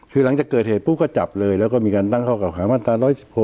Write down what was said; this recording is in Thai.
คือหลังจากเกิดเหตุปุ๊บก็จับเลยแล้วก็มีการตั้งข้อเก่าหามาตรา๑๑๖